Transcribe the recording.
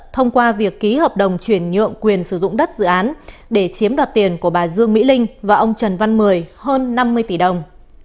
thông qua việc ký hợp đồng chuyển nhượng quyền sử dụng đất dự án để chiếm đoạt tiền của bà dương mỹ linh và ông trần văn mười hơn năm mươi tỷ đồng